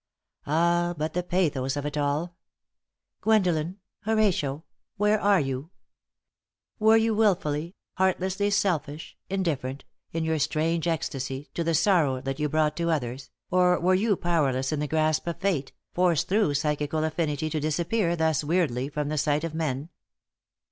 Ah, but the pathos of it all! Gwendolen! Horatio! Where are you? Were you wilfully, heartlessly selfish, indifferent, in your strange ecstasy, to the sorrow that you brought to others, or were you powerless in the grasp of fate, forced through psychical affinity to disappear thus weirdly from the sight of men?